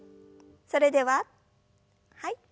それでははい。